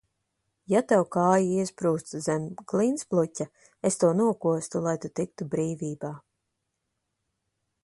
Ja tev kāja iesprūstu zem klintsbluķa, es to nokostu, lai tu tiktu brīvībā.